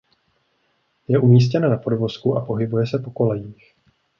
Je umístěn na podvozku a pohybuje se po kolejích.